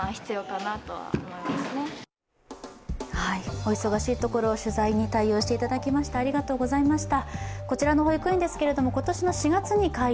お忙しいところ取材に対応していただきましてありがとうございました。